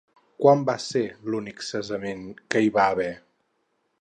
Quan va ser l'únic cessament que hi va haver?